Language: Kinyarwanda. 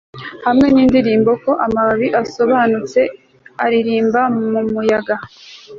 Hamwe nindirimbo ko amababi asobanutse aririmba mumuyaga